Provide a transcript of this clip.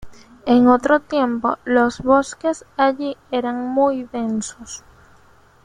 En otro tiempo, los bosques allí eran muy densos.